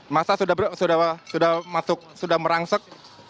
masa sudah merangsek